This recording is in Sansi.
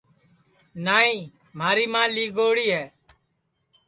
نائی مھاری ماں لی گئوڑی ہے